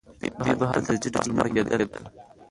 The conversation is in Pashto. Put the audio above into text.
دوی به هلته په تدریجي ډول مړه کېدل.